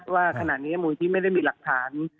ว่าขณะนี้มูลที่ไม่ได้มีหลักฐาน